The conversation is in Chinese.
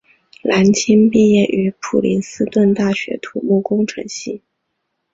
蓝钦毕业于普林斯顿大学土木工程系。